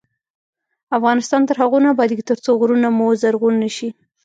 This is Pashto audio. افغانستان تر هغو نه ابادیږي، ترڅو غرونه مو زرغون نشي.